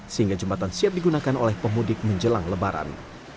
sehingga jembatan siap digunakan oleh pemudik menjelang lebaran